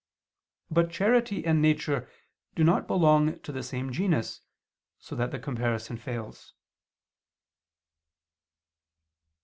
But charity and nature do not belong to the same genus, so that the comparison fails.